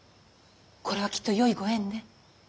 これはきっとよいご縁ね。